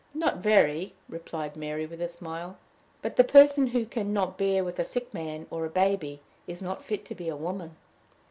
"Not very," replied Mary, with a smile; "but the person who can not bear with a sick man or a baby is not fit to be a woman."